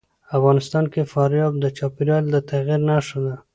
افغانستان کې فاریاب د چاپېریال د تغیر نښه ده.